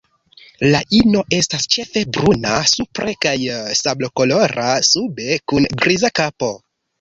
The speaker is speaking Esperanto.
La ino estas ĉefe bruna supre kaj sablokolora sube, kun griza kapo.